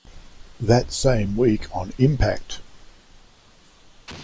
That same week on Impact!